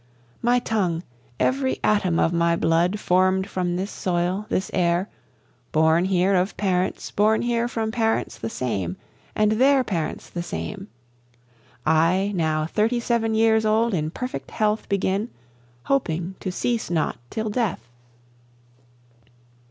My tongue, every atom of my blood, form'd from this soil, this air, Born here of parents born here from parents the same, and their parents the same, I, now thirty seven years old in perfect health begin, Hoping to cease not till death.